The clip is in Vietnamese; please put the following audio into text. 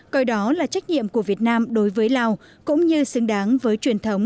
coi đó là trách nhiệm của việt nam đối với lào cũng như xứng đáng với truyền thống